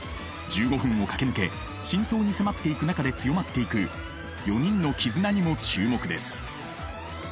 １５分を駆け抜け真相に迫っていく中で強まっていく４人の絆にも注目です。